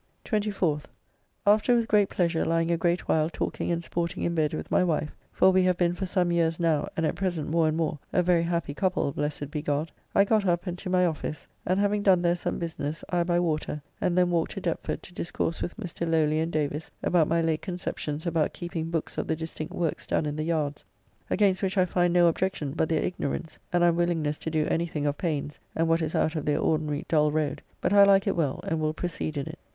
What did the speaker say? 24th. After with great pleasure lying a great while talking and sporting in bed with my wife (for we have been for some years now, and at present more and more, a very happy couple, blessed be God), I got up and to my office, and having done there some business, I by water, and then walked to Deptford to discourse with Mr. Lowly and Davis about my late conceptions about keeping books of the distinct works done in the yards, against which I find no objection but their ignorance and unwillingness to do anything of pains and what is out of their ordinary dull road, but I like it well, and will proceed in it.